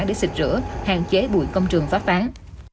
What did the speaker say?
để xịt rửa hạn chế bụi công trường phát tán